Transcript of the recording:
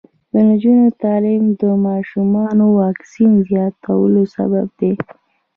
د نجونو تعلیم د ماشومانو واکسین زیاتولو سبب دی.